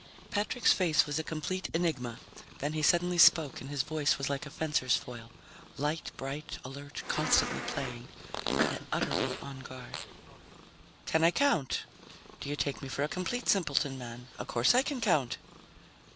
Patrick's face was a complete enigma. Then he suddenly spoke, and his voice was like a fencer's foil light, bright, alert, constantly playing, yet utterly on guard. "Can I count? Do you take me for a complete simpleton, man? Of course I can count!"